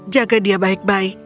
jaga dia baik baik